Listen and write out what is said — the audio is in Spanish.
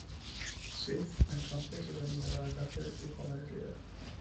Ziff, entonces, es enviado a la cárcel, y Homer es liberado.